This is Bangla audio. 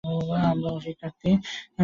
আমরা শিক্ষার্থী।